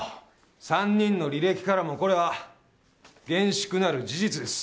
３人の履歴からもこれは厳粛なる事実です。